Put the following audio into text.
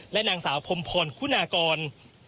และนางสาวพรมพรคุณากร